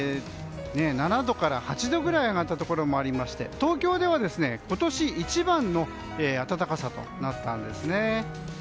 ７度から８度ぐらい上がったところもありまして東京では今年一番の暖かさとなったんですね。